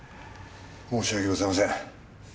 申し訳ございません。